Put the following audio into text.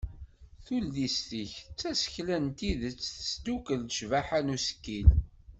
Tullist-ik d tasekla n tidet tesdukel ccbaḥa n usekkil.